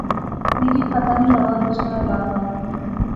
میں کی پتہ نی لغا کُس ناں اعلان وہا